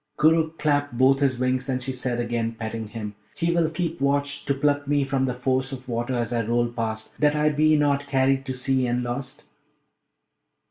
Koorookh clapped both his wings, and she said again, petting him, 'He will keep watch to pluck me from the force of water as I roll past, that I be not carried to the sea, and lost?'